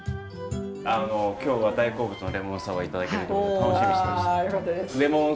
今日は大好物のレモンサワーを頂けるということで楽しみにしてました。